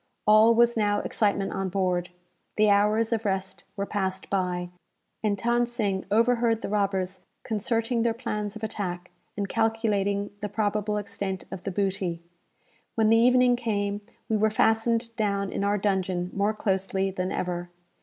All was now excitement on board. The hours of rest were passed by, and Than Sing overheard the robbers concerting their plans of attack, and calculating the probable extent of the booty. When the evening came, we were fastened down in our dungeon more closely than ever.